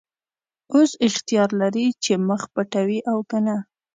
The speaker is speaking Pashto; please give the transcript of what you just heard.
اوس اختیار لرې چې مخ پټوې او که نه.